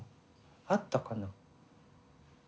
あったかな。